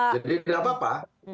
jadi tidak apa apa